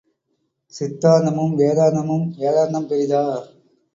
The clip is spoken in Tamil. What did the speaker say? சித்தாந்தமும் வேதாந்தமும் வேதாந்தம் பெரிதா?